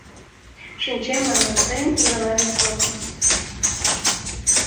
— Шинчем, манам, тыйын Ивановет-влакым.